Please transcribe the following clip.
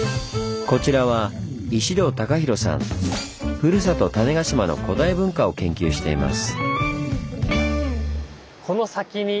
ふるさと種子島の古代文化を研究しています。